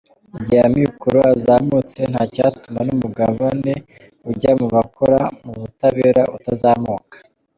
Igihe amikoro azamutse nta cyatuma n’umugabane ujya mu bakora mu butabera utazamuka.